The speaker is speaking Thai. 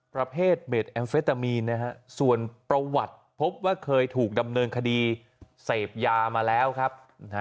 ประเภทเม็ดแอมเฟตามีนนะฮะส่วนประวัติพบว่าเคยถูกดำเนินคดีเสพยามาแล้วครับ